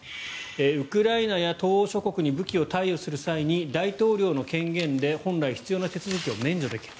ウクライナや東欧諸国に武器を貸与する際に大統領の権限で本来必要な手続きを免除できる。